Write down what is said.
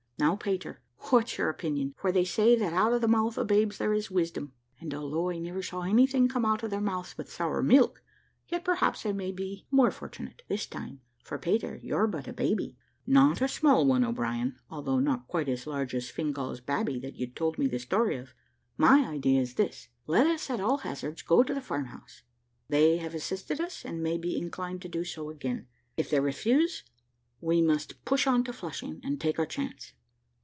Now, Peter, what's your opinion? for they say, that out of the mouth of babes there is wisdom; and although I never saw anything come out of their mouths but sour milk, yet perhaps I may be more fortunate, this time, for, Peter, you're but a baby." "Not a small one, O'Brien, although not quite so large as Fingal's babby that you told me the story of. My idea is this. Let us, at all hazards, go to the farmhouse. They have assisted us, and may be inclined to do so again; if they refuse, we must push on to Flushing and take our chance."